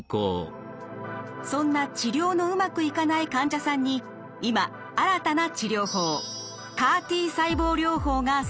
そんな治療のうまくいかない患者さんに今新たな治療法ＣＡＲ−Ｔ細胞療法が成果を上げています。